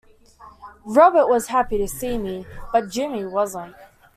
Robert was happy to see me, but Jimmy wasn't.